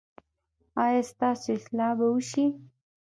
ایا ستاسو اصلاح به وشي؟